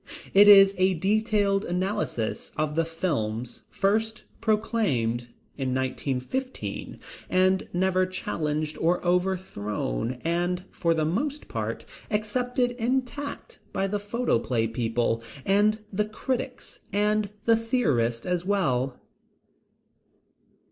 It is a detailed analysis of the films, first proclaimed in 1915, and never challenged or overthrown, and, for the most part, accepted intact by the photoplay people, and the critics and the theorists, as well.